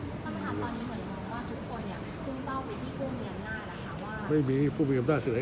ว่าทุกคนเนี้ยมีผู้มีอำนาจหละไม่มีผู้มีอำนาจสิ